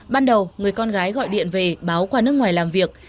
ban đầu người con gái gọi điện về báo qua nước ngoài làm việc